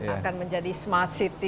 akan menjadi smart city